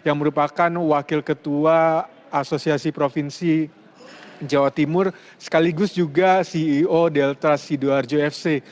yang merupakan wakil ketua asosiasi provinsi jawa timur sekaligus juga ceo delta sidoarjo fc